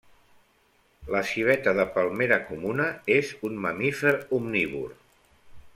La civeta de palmera comuna és un mamífer omnívor.